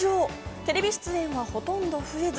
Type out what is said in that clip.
テレビ出演はほとんど増えず。